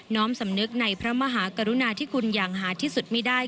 ้อมสำนึกในพระมหากรุณาที่คุณอย่างหาที่สุดไม่ได้